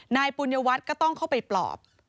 ปุญญวัตรก็ต้องเข้าไปปลอบ